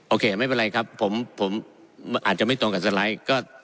โอเคไม่เป็นไรครับผมอาจจะไม่ตรงกับสไลด์